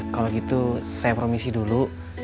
kalau gitu saya promisi dulu